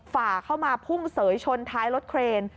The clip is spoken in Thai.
ฝ่าเข้ามาพุ่งเสยชนท้ายรถเครน